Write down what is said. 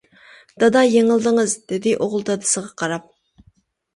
-دادا، يېڭىلدىڭىز، -دېدى ئوغلى دادىسىغا قاراپ.